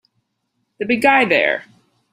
The big guy there!